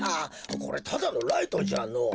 これただのライトじゃのぉ。